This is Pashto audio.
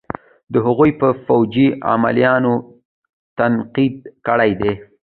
د هغوئ په فوجي عملونو تنقيد کړے دے.